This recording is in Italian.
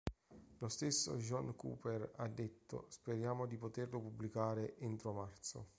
Lo stesso John Cooper ha detto "Speriamo di poterlo pubblicare entro marzo".